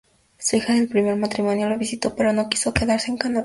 Su hija del primer matrimonio lo visitó, pero no quiso quedarse en Canadá.